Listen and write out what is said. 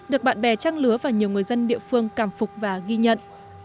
được bạn bè trang lứa và nhiều người dân địa phương cảm phục và ghi nhận